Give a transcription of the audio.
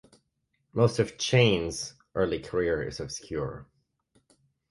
Most of "Jane"s early career is obscure.